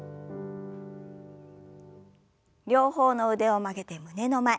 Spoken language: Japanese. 両方の腕を曲げて胸の前。